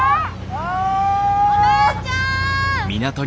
お姉ちゃん！